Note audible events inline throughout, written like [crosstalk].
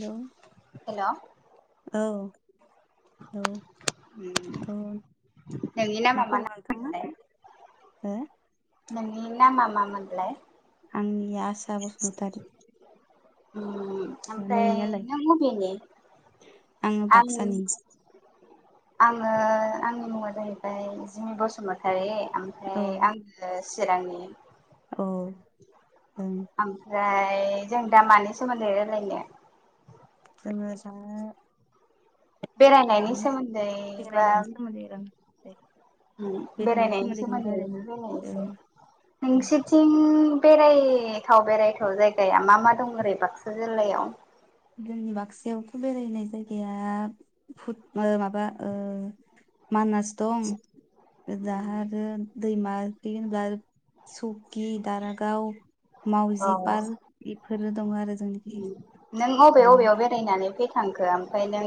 Hello hello औ लौ उम औ नोंनि मा नामा खबर नोंथांना हो? नों नामा मा मोनलाय? आंनि आसा बसुमतारि। उम ओमफ्राय नों अबेनि? आङो आंनि बाक्सानि आङो आंनि मुङा जाहैबाय जिमि बसुमतारी औ ओमफ्राय आङो चिरांनि। औ ओं। ओमफाय जों दा मानि सोमोन्दै रायलायनो? जोङो दा बेरायनायनि दानि सोमोन्दै बा बेरायनायनि सोमोन्दै रां दे उम बेरायनायनि बेरायनायनायनि सोमोन्दैखौनो सोमोन्दै रायलायनि नो ओं रायलायसै। दे नोंसोरथिं बेरायथाव बेरायथाव जायगाया मा मा दं ओरै बाक्सा जिल्लायाव? जोंनि बाक्सायावथ बेरायनाय जायगाया भुत ओ माबा ओ मानास दं दाहा आरो दैमा फैयो होनब्ला सुगि दारागाव मावजि औ पार्क इफोरो दङ आरो जोंनिखि। नों अबे ओं अबेयाव बेरायनानै फै थांखो ओमफ्राय नों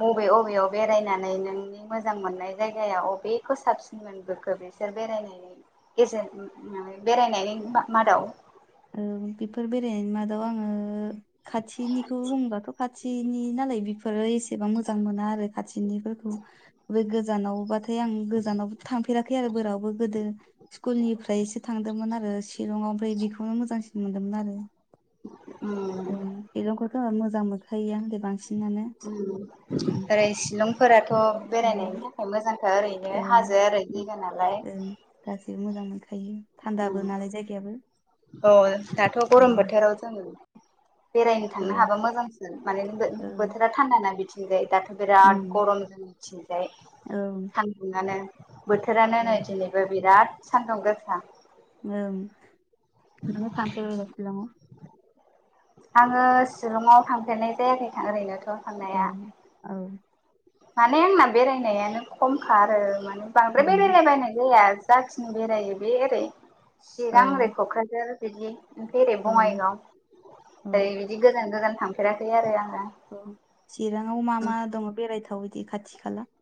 बबे बबेयाव बेरायनानै नोंनि मोजां मोननाय जायगाया अबेखौ साबसिन मोनबोखो बिसोर बेरायनायनि गेजेर बेरायनायनि मा-मादाव औ बेफोर बेराय मादाव आङो खाथिनिखौ बुंङोबाथ' खाथिनि ना नै बेफोरो एसेबां मोजां मोना आरो खाथिनिफोरखौ बे गोजानावबा थाय आं गोजानावबो थांफेराखै आरो बोरावबो गोदो स्कुलनिफ्रायसो थांदोंमोन आरो शिलंआव। आमफ्राय बेखौनो मोजांसिन मोनदोंमोन आरो। उम ओं सिलंखौथ' मोजां मोनखायो आनो दे बांसि ओरै शिलंफोराथ' बेरायनायनि ओं थाखाय मोजां। ओरैनो ओं हाजो ओरैनो [unintelligible] नालाय ओं गासैबो मोजां मोनखायो थान्दाबो उम नालाय जायगायाबो औ दाथ' उम गरम बोथोराव जों बेरायनो औ थांनो हाबा मोजांसो माने औ [unintelligible] बोथोरा थान्दाना बिथिंजाय दा बिराद उम गरम जोंनि थिंजाय औ सान्दुंनो। बोथोरानो औ नै दिनैबो बिराद सान्दुं गोसा। ओं नों थांफेरबाय दा सिलंआव? आङो शिलंआव थांफेरनाय जायाखै थां ओरैनोथ' औ थांनाया औ। माने आंना बेरायनायानो खमखा आरो माने बांद्राय उम बेरायला बायनाय जाया। जाखिनि बेरायो बे ओरै औ चिरां ओरै क'क्राझार बिदि। ओमफ्राय ओरै ओं बङाइगाव औ ओरै बिदि गोजान गोजान थांफेराखै आरो आं। औ चिराङाव मा मा दङ बेरायथाव बिदि खाथि खाला?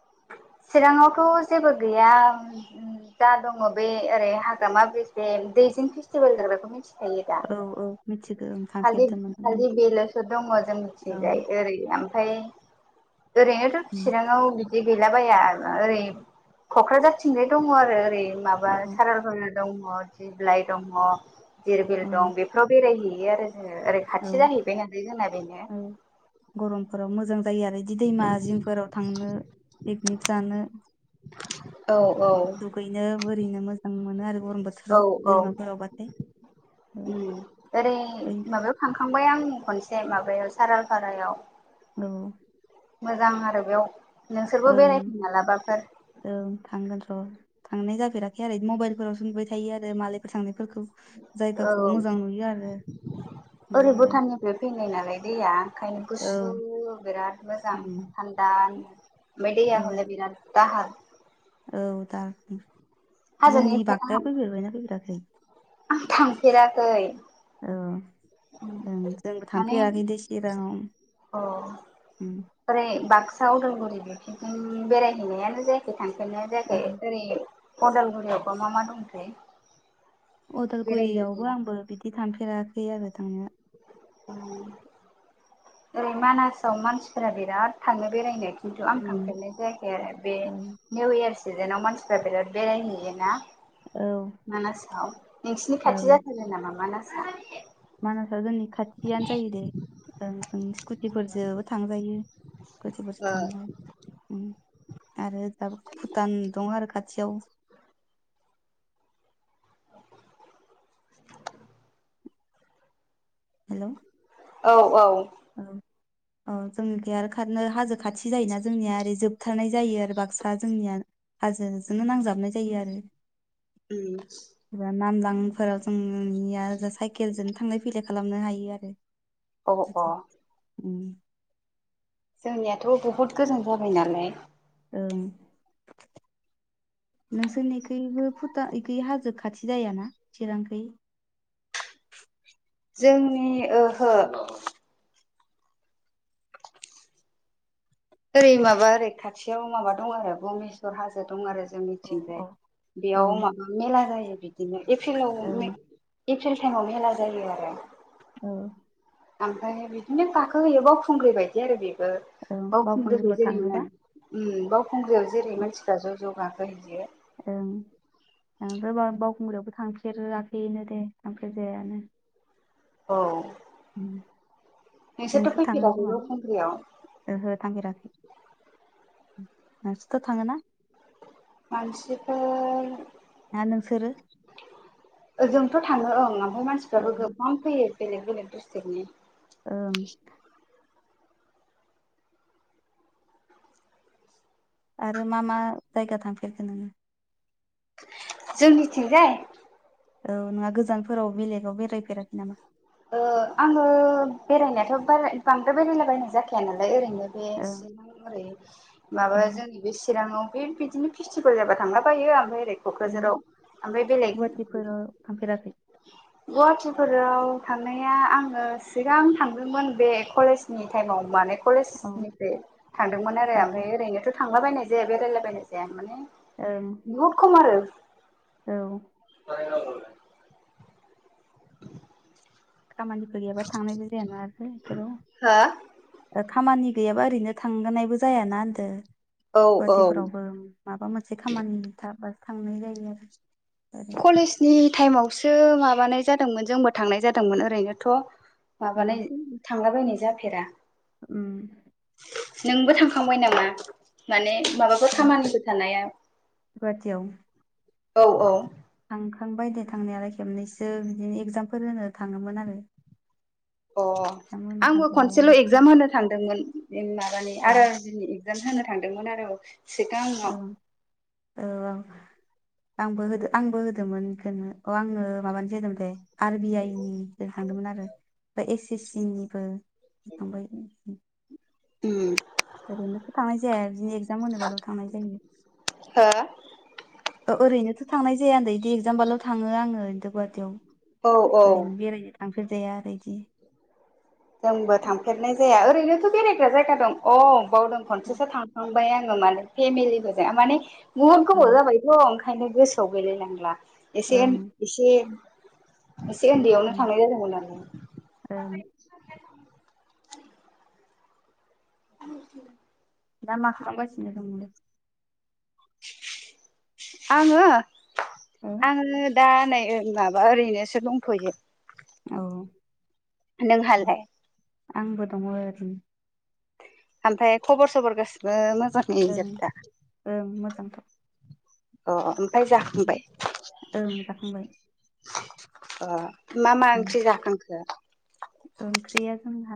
[inaudible] चिराङावथ' जेबो गैया। जा दङ बे ओरै हाग्रामा ब्रिज बे दैजिं फेस्टिभेल जाग्राखौ मिथि खायो दा औ औ मिथिगौ ओं खालि थांफेरदोंमोन खालि बेल'सो दङ जों औ मिथिजाय ओरै आ मफाय ओरैनोथ' चिराङाव बिदि गैलाबाया ओरोना ओरै क'क्राझारथिंलाय दङ आरो ओरै माबा औ साराल भ दङ दिग्लाइ दङ दिरबिल ओं दं बेफोराव बेरायहैयो आरो। ओ ओरै औ खाथि जाहैबाय नालाय जोंना बेनो औ गरमफोराव मोजां जायो आरो बिदि दैमा जिंफोराव थांनो बे निख जानो [inaudible] औ दुगैनो बोरैनो मोजां मोनो आरो गरम औ बोथोराव औ दैमाफोराव बाथाय। उम ओरै माबायाव थांखांबाय आं खन से माबायाव सारालपारायाव। औ मोजां आरो बेयाव नोंसोरबो ओं बेरायफै मालाबाफोर ओं थांगोन र'। थांनाय जाफेराखै आरो मबाइलफोरावसो नुबाय थायो आरो मालायफोर थांनायफोरखौ। औ जायगाखौ मोजां नुयो आरो ओरै नुनायालाय भुटाननिफ्राय फैनाय नालाय। दैया ओंखायनो औ गुसु बिराद मोजां उम थान्दा नो। ओमाय दैया औ हले बिराद दाहार। औ दार ओं। जोंनि हाजोनिफ्राय आं बाक्सायाव फैफेरबायना फैफेराखै? आं थांफेराखै। औ ओं जोंबो माने थांफेराखै दैे चिराङाव। अ उम ओरै बाक्सा अदालगुरि बेरायहैनायानो जायाखै थांफेरनायानो जायाखै औ ओरै अदालगुरियावबा मा मा दंथाय? अदालगुरियावबो बेरायग्रा आंबो बिदि थांफेराखै आरो थांनो ओरै मानासाव मानसिफोरा बिराद थाङो बेरायनो खिन्थु आं उम थांफेरनाय जायाखै आरो बे औ निउ इयार सिजेनाव मानसिफ्रा बिराद बेरायहैयोना औ मानासाव नोंसिनि खाथि जाथारो नामा मानासा मानासा जोंनि खाथियानो जायो दे ओं स्कुटिफोरजोंबो थांजायो। [unintelligible] थाङो ओम आरो दा भुटान दं आरो खाथियाव हेलौ औ औ औ औ जोंनिखै आरो खारनो हाजो खाथि जायोना जोंनिया ओरै जोबथारनाय जायो आरो बाक्सा जोंनिया हाजोजोंनो नांजाबनाय जायो आरो उम नाम [unintelligible] लांफोराव जोंनिया साइकेलजों थांलाय फैलाय खालामनो हायो आरो अ अ उम जोंनियाथ' बहुत गोजान जाबाय नालाय ओं नोंसोरनिखैबो भुटान [unintelligible] बेखाय हाजो खाथि जाहैयाना चिरांखै जोंनि ओहो ओरै माबा ओरै खाथियाव माबा दं आरो भमेस्वर हाजो दं आरो अ जोंनिथिंजाय अ बेयाव ओं माबा मेला जायो बिदिनो एप्रिलाव ओं मे एप्रिल टाइमाव मेला जायो आरो औ ओमफ्राय बिदिनो गाखो हैयो बावखुंग्रि बायदि आरो बे ओ औ बावखुंग्रिखौ बावखुंग्रिफोराव जेरै मा थाङोबा उम बावखुंग्रियाव जेरै मानसिफ्रा ज' ज' गा ओं ओमफ्राय बावखुंग्रियावबो थांफेराखैनो दे थांफेरजायानो औ नोंसोरथ' नोंसो थाङो खोमा फैफेराखैबो खमफ्रियाव ओहो थांफेराखै नोंसोरथ' थाङोना? मानसिफोर ना नोंसोरो ओंजोंथ' थाङो ओं ओमफ्राय औ मानसिफ्राबो गोबां फैयो [unintelligible] बेलेग बेलेग डिस्ट्रिकनि ओं आरो मा मा जायगा थांफेरखो नोङो? जोंनिथिजाय औ नङा गोजानफोराव बेलेगाव बेरायफेराखै नामा? ओ आङो बेरायनायाथ' बांद्राय बेरायलाबायनाय जाखाया नालाय ओरैनो बे बिदि ओं ओरै माबा ओं जोंनि बे चिराङाव बे बिदिनो फेस्टिभेल जाबा थांलाबायो ओमफ्राय ओरै ओं क'क्राझाराव गुवाहाटिफोराव थांफेराखै फोराव थांनाया आङो सिगां थांदोंमोन बे कलेजनि टाइमाव माने औ कलेजनिफ्राय थांदोंमोन आरो उम ओमफ्राय ओरैनोथ' थांलाबायनाय जाया बेरायलाायबायनाय जाया माने ओं बुहुत खम आरो औ [unintelligible] खामानिफोर गैयाबा थांनायबो जायाना आरो हा बेफोराव। खामानि गैयाबा ओरैनो थांगोनायबो जायाना होनदों। औ औ गुवाहाटिफोरावबो माबा मोनसे खामानि थाबासो थांनाय जायो। ओरै कलेजनि टाइमावसो माबानाय जादोंमोन जोंबो थांनाय जादोंमोन ओरैनोथ औ माबानाय थांलाबायनाय जाफेरा उम नोंबो थांखांबाय नामा? माने माबाफोर ओ खामानिफोर थानाया गुवाहाटियाव औ औ। थांखांबाय दे थांनायालाय खेबनैसो बिदिनो एगजामफोर होनो थाङोमोन आरो। अ एगजाम होनो आंबो थांफेरबाय खनसेल आङो एक्जाम होनो थांदोंमोन माबानि औ आर आर बिनि इक्जाम होनो थांदोंमोन आरो औ। औ औ औ आंबो होदो आंबो होदोंमोन बेखोनो अ आङो माबानिसो होदोंमोन दे आर बि आइ नि थांदोंमोन आरो ओमफ्राय एस एस सि निबो थांबाय। ओम ओरैनोथ थांनाय जाया बिदिनो एगजाम होनोबाल' थांनाय जायो। हो ओ ओरैनोथ थांनाय जाया ओनदो इदि एगजाम्बालाव थाङो आङो गुवाहाटियाव। औ औ लांफेरजाया आरो इदि। जोंबो थांफेरनाय जाया ओरैनोथ बेरायग्रा जायगा दं अ बावदों खनसेसो थांफां बाय आङो मने फेमिलि फोरजों माने बुहुत औ गोबाव जाबायथ ओंखायनो गोसोआव गैलायलांला एसे ओं एसे एसे ओन्दैयावनो ओं थांनाय जादोंमोन आं। ओं [inaudible] दा खालामगासिनो दं? आङो हो आङो दा नै माबा ओरैनोसो दंथयो। औ नोंहाालाय? आंबो दङ' ओरैनो। ओमफ्राय खबर सबर गासिबो मो ओं ओं मोजांथ' [unintelligible] अ ओमफाय जाखांबाय? ओं जाखांबाय अ मा मा उम। ओंख्रि जाखांखो? ओंख्रिया जोंहा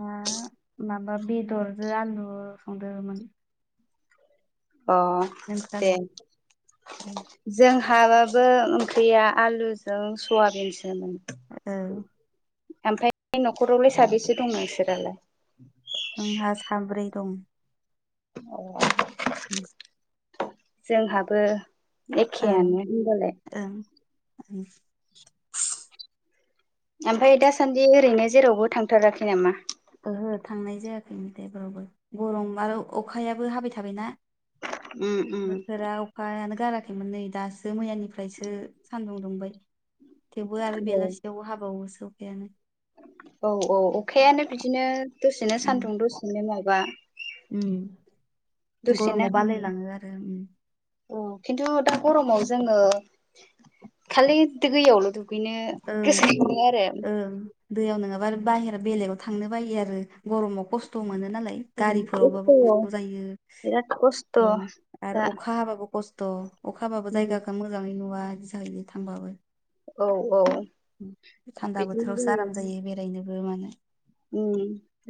माबा बेदरजों आलु संदोंमोन। अ दे नोंस्रालाय ओं जों हाबो ओंख्रिया आलुजों सयाबिनसोमोन। औ ओमफ्राय न'खरावलाय साबेसे दं नोंसोरालाय? जोंहा साब्रै दं। औ जोंहाबो ओं एखेयानो होमबलाय। ओं [unintelligible] ओमफाय दासान्दि ओरैनो जेरावबो थांथाराखै नामा? ओहो थांनाय जायाखै गरम आरो अखायाबो हाबाय थाबायना। उम उम बोथोरा अखायानो गाराखै खैमोन नै दासो मैयानिफ्रायसो सान्दुं दुंबाय। थेवबो आरो औ बेलासियावबो हाबावोसो अखायानो। औ औ अखायानो बिदिनो दसेनो सान्दुं दसेनो माबा ओम गरमाव बालायलाङो आरो। अ खिन्थु दा गरमाव जोङो खालि दैयावल' दु बिनो ओं [unintelligible] आरो ओं दैयाव नोङाबा बाहेरा बेलेगाव थांनो बायो आरो गरमाव खस्थ' मोनो नालाय खस्थ' गारिफोरावबाबो खस्थ' बिराद खस्थ' जायो आरो दा अखा हाबाबो खस्थ' खथ' अखाबाबो जायगाखौ मोजाङै नुवा बिदि जाहैदि थांबाबो औ औ थान्दा बिदिनो बोथोरावसो आराम जायो बेरायनोबो मानो ओम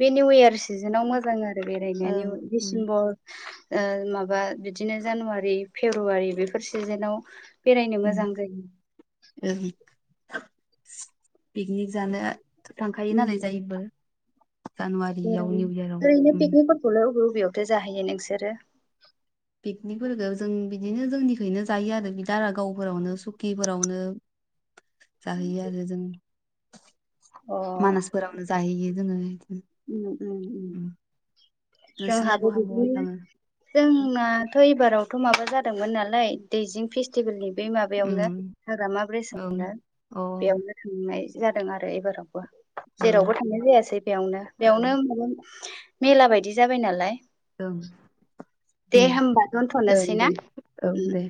बे निउ इयार सिजोनाव मोजां आरो ओं बेरायनाय उम डिसेम्बर ओ माबा बिदिनो जानुवारि फेब्रुवारि बेफोर सिजेनाव बेरायनो उम मोजां जायो ओं पिकनिक जानो थांखायो उम नालाय जायोबो जानुवारिआव निउ इयरआव ओम बबेयावथ' जाहैयो नोंसोरो पिकनिकफोरखौ जों बि बिदिनो जोंनिखैनो जायो आरो दारागावफोरावनो सुकिफोरावनो जाहैयो आरो जों अ मानासफोरावनो जाहैयो जोङो बि ओम ओम ओम नोंसोरलाय जोंहाबो बहा बिदिनो बहा थाङो? जोंनाथ' एबारावथ' माबा माबा जादोंमोन नालाय दैजिं फेस्टिभेलनि बे माबायावनो उम हाग्रामा ओं ब्रिजनो अ ओं बेयावनो थांनाय जादों आरो एबारावबो औ जेरावबो थांनाय जायासै बेयावनो बेयावनो माबा मेला बायदि जाबाय नालाय ओं दे उम होमबा ओं दोनथ'नोसै दे ना? औ दे।